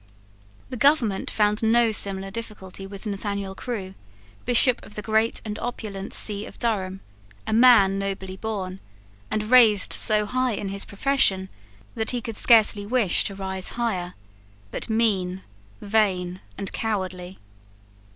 The government found no similar difficulty with Nathaniel Crewe, Bishop of the great and opulent see of Durham, a man nobly born, and raised so high in his profession that he could scarcely wish to rise higher, but mean, vain, and cowardly.